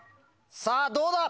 さぁどうだ？